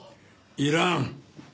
いらん。